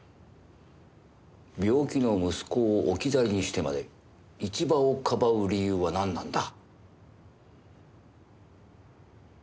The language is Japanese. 病気の息子を置き去りにしてまで一場をかばう理由はなんなんだ？